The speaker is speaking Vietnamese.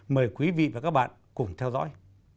mời quý vị và các bạn cùng theo dõi